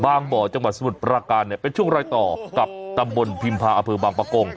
บ่อจังหวัดสมุทรปราการเนี่ยเป็นช่วงรอยต่อกับตำบลพิมพาอำเภอบางประกง